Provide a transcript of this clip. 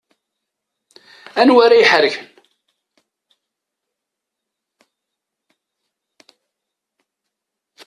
Anwa ara iḥerken.